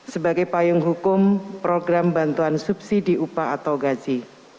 sebagai payung hukum program bantuan subsidi upah atau gaji